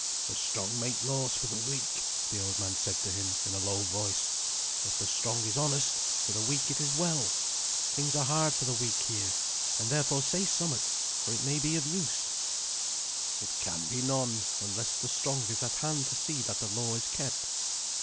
"The strong make laws for the weak," the old man said to him in a low voice. "If the strong is honest, for the weak it is well. Things are hard for the weak here; and therefore say somewhat, for it may be of use." "It can be none, unless the strong is at hand to see that the law is kept."